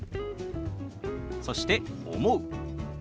そして「思う」。